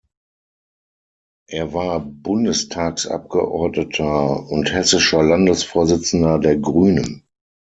Er war Bundestagsabgeordneter und hessischer Landesvorsitzender der Grünen.